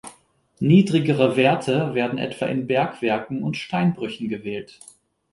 Niedrigere Werte werden etwa in Bergwerken und Steinbrüchen gewählt.